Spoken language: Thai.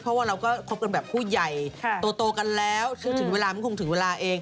เพราะว่าเราก็คบกันแบบผู้ใหญ่โตกันแล้วถึงเวลามันคงถึงเวลาเอง